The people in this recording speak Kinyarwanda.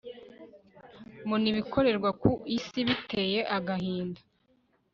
mbona ibikorerwa ku isi biteye agahinda